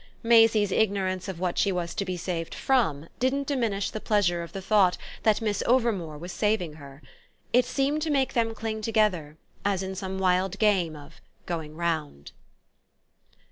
Maisie's ignorance of what she was to be saved from didn't diminish the pleasure of the thought that Miss Overmore was saving her. It seemed to make them cling together as in some wild game of "going round."